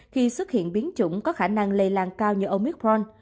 khi xuất hiện biến chủng có khả năng lây lan cao như omithron